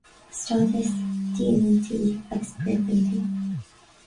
Stádas, Díolúintí agus Pribhléidí.